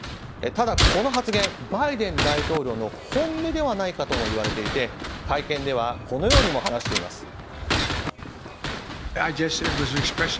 ただ、この発言バイデン大統領の本音ではないかともいわれていて、会見ではこのようにも話しています。